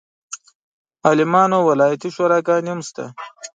عالمانو ولایتي شوراګانې هم شته.